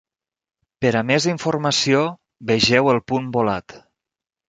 Per a més informació, vegeu el punt volat.